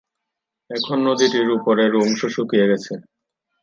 এখন নদীটির উপরের অংশ শুকিয়ে গেছে।